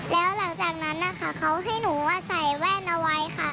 แล้วหลังจากนั้นนะคะเขาให้หนูใส่แว่นเอาไว้ค่ะ